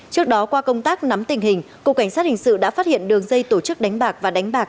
trước đó qua công tác nắm tình hình cục cảnh sát hình sự đã phát hiện đường dây tổ chức đánh bạc và đánh bạc